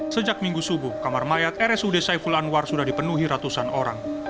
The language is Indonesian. sejak minggu subuh kamar mayat rsud saiful anwar sudah dipenuhi ratusan orang